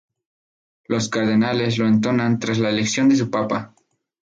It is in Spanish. Los cardenales lo entonan tras la elección de un papa.